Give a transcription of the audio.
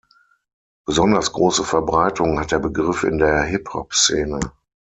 Besonders große Verbreitung hat der Begriff in der Hip-Hop-Szene.